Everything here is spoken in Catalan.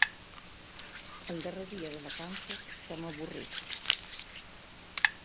El darrer dia de vacances i ja m'avorrisc.